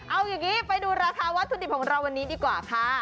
เอาอย่างนี้ไปดูราคาวัตถุดิบของเราวันนี้ดีกว่าค่ะ